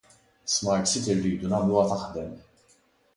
SmartCity rridu nagħmluha taħdem.